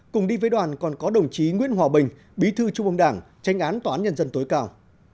cùng đi với đoàn còn có đồng chí nguyễn hòa bình bí thư trung ương đảng tranh án tòa án nhân dân tối cao